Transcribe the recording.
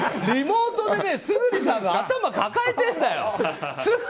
リモートで村主さんが頭抱えてるんだよ。